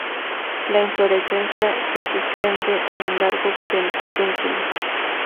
La inflorescencia se suspende en una largo pedúnculo.